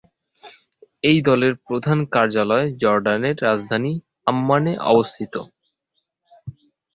এই দলের প্রধান কার্যালয় জর্ডানের রাজধানী আম্মানে অবস্থিত।